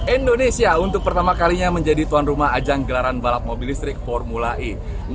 indonesia untuk pertama kalinya menjadi tuan rumah ajang gelaran balap mobil listrik formula e